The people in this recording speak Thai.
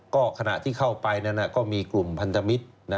ก็ขณะที่เข้าไปนั้นก็มีกลุ่มพันธมิตร